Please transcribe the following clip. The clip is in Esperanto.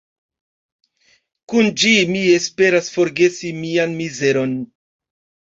Kun ĝi mi esperas forgesi mian mizeron.